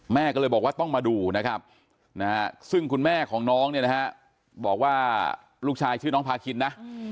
แม่ก็เลยบอกว่าต้องมาดูนะครับซึ่งคุณแม่ของน้องเนี่ยนะฮะบอกว่าลูกชายชื่อน้องพาคินนะ